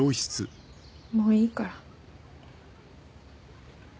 もういいから。